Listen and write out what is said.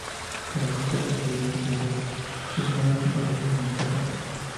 Para ajustar la sensibilidad del sensor se perforan orificios en el tapón.